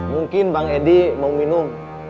mungkin bang edi mau minum